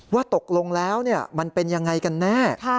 ว่าตกลงแล้วมันเป็นยังไงกันแน่